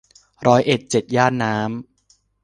ร้อยเอ็ดเจ็ดย่านน้ำ